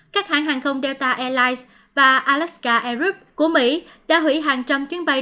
các hãng hàng không delta airlines và alaska airuk của mỹ đã hủy hàng trăm chuyến bay